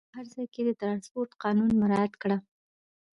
په هر ځای کې د ترانسپورټ قانون مراعات کړه.